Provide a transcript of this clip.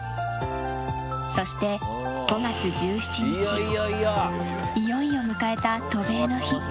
そして、５月１７日いよいよ迎えた渡米の日。